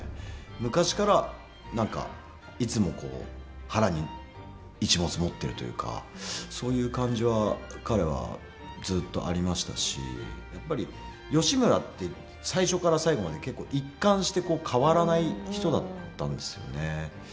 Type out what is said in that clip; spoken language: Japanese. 昔から、なんか、いつもこう、腹に一物、持ってるというか、そういう感じは彼は、ずっとありましたしやっぱり義村って最初から最後まで結構一貫して変わらない人だったんですよね。